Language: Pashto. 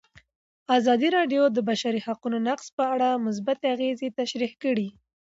ازادي راډیو د د بشري حقونو نقض په اړه مثبت اغېزې تشریح کړي.